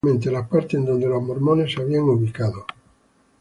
Precisamente las partes en donde los mormones se habían ubicado.